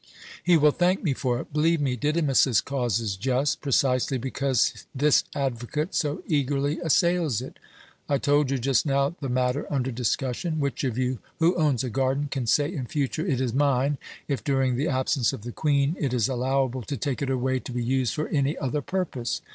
He will thank me for it. Believe me, Didymus's cause is just, precisely because this advocate so eagerly assails it. I told you just now the matter under discussion. Which of you who owns a garden can say in future, 'It is mine,' if, during the absence of the Queen, it is allowable to take it away to be used for any other purpose?